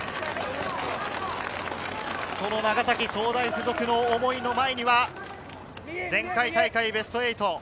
長崎総大附属の思いの前には、前回大会ベスト８。